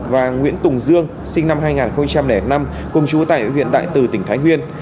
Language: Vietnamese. và nguyễn tùng dương sinh năm hai nghìn năm cùng chú tại huyện đại từ tỉnh thái nguyên